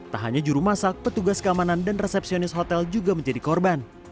tak hanya juru masak petugas keamanan dan resepsionis hotel juga menjadi korban